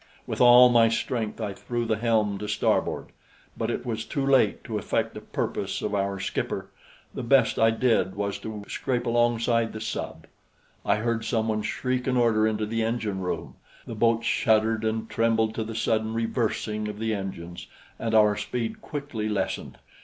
With all my strength I threw the helm to starboard; but it was too late to effect the purpose of our skipper. The best I did was to scrape alongside the sub. I heard someone shriek an order into the engine room; the boat shuddered and trembled to the sudden reversing of the engines, and our speed quickly lessened.